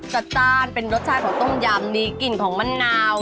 จ้านเป็นรสชาติของต้มยำมีกลิ่นของมะนาว